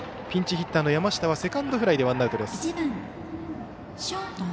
ピンチヒッターの山下はセカンドフライでワンアウト。